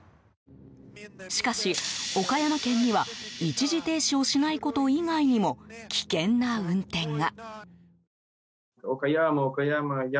しかし、岡山県には一時停止をしないこと以外にも危険な運転が。